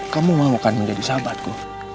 kamu mahukan menjadi sahabatku